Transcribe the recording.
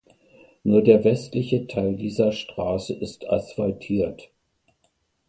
Nur der westliche Teil dieser Straße ist asphaltiert.